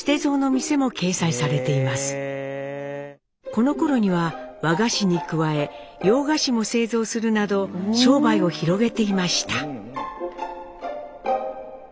このころには和菓子に加え洋菓子も製造するなど商売を広げていました。